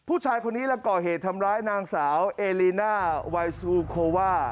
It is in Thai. ผู้ชายคนนี้ละก่อเหตุทำร้ายนางสาวเอลีน่าไวซูโคว่า